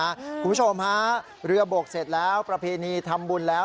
คุณผู้ชมฮะเรือบกเสร็จแล้วประเพณีทำบุญแล้ว